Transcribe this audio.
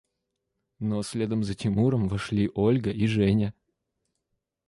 Но следом за Тимуром вошли Ольга и Женя.